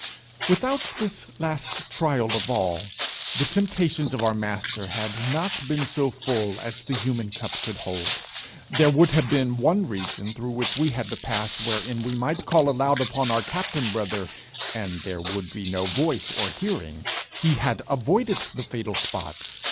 Without this last trial of all, the temptations of our Master had not been so full as the human cup could hold; there would have been one region through which we had to pass wherein we might call aloud upon our Captain Brother, and there would be no voice or hearing: he had avoided the fatal spot!